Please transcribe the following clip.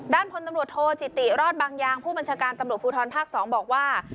พลตำรวจโทจิติรอดบางยางผู้บัญชาการตำรวจภูทรภาค๒บอกว่า